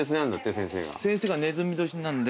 先生がねずみ年なんで。